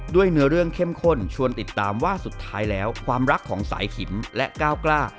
เนื้อเรื่องเข้มข้นชวนติดตามว่าสุดท้ายแล้วความรักของสายขิมและก้าวกล้า